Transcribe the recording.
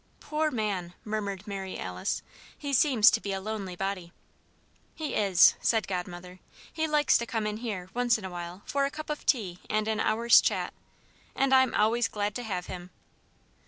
"Poor man!" murmured Mary Alice, "he seems to be a lonely body." "He is," said Godmother. "He likes to come in here, once in a while, for a cup of tea and an hour's chat. And I'm always glad to have him."